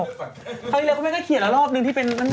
เขาเรียกว่าเขาไม่ได้เขียนแล้วรอบนึงที่เป็นนั่นไง